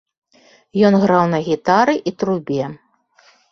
Ён граў на гітары і трубе.